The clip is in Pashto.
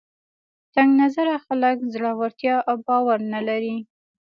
تنګ نظره خلک زړورتیا او باور نه لري